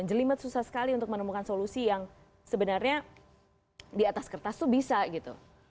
jelimet susah sekali untuk menemukan solusi yang sebenarnya di atas kertas itu bisa gitu